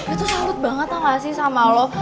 itu salut banget tau gak sih sama lo